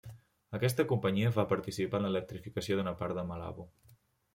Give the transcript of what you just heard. Aquesta companyia va participar en l'electrificació d'una part de Malabo.